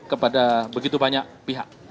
kepada begitu banyak pihak